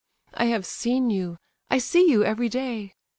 I have seen you—I see you every day.